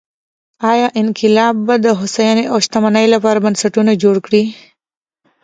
ایا انقلاب به د هوساینې او شتمنۍ لپاره بنسټونه جوړ کړي؟